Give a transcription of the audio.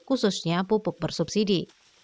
khususnya pupuk bersubsidi